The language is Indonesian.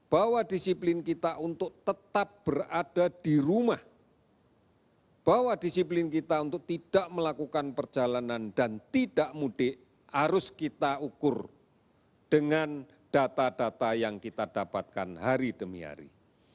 bahwa disiplin kita untuk tetap berada di rumah bahwa disiplin kita untuk tidak melakukan perjalanan dan tidak mudik harus kita ukur dengan data data yang kita dapatkan hari demi hari